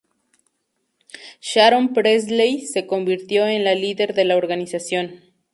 Sharon Presley se convirtió en la líder de la organización.